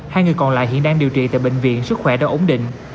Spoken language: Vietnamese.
hai người còn lại hiện đang điều trị tại bệnh viện sức khỏe đã ổn định